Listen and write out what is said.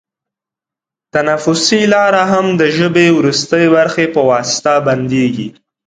تنفسي لاره هم د ژبۍ وروستۍ برخې په واسطه بندېږي.